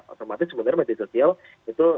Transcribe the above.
otomatis sebenarnya media sosial itu